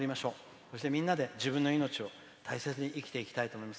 そして、みんなで自分の命を大切に生きていきたいと思います。